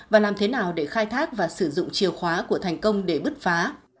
và làm thế nào để khai thác và sử dụng chìa khóa của thành công để bứt phá